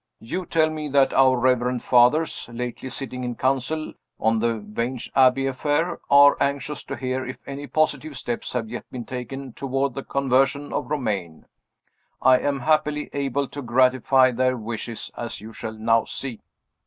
You tell me that our Reverend Fathers, lately sitting in council on the Vange Abbey affair, are anxious to hear if any positive steps have yet been taken toward the conversion of Romayne. I am happily able to gratify their wishes, as you shall now see.